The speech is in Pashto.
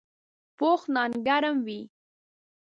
پوخ نان ګرم وي